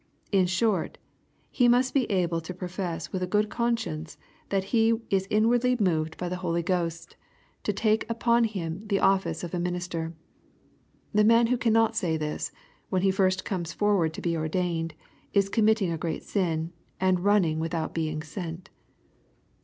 In short, he must be able to profess with a good conscience, that he is " inwardly moved by L.L. 86 EXPOSITORT THOUQHTS. the Holy Ghost'' to take upon him the office of a minister. The man who cannot say this, when he comes forward to be ordained, is committing a great sin, and running without being sent.